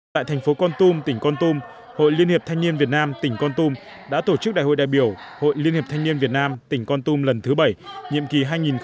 tại thành phố con tum tỉnh con tum hội liên hiệp thanh niên việt nam tỉnh con tum đã tổ chức đại hội đại biểu hội liên hiệp thanh niên việt nam tỉnh con tum lần thứ bảy nhiệm kỳ hai nghìn một mươi chín hai nghìn hai mươi bốn